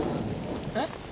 えっ？